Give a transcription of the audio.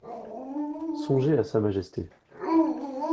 Songez à sa majesté.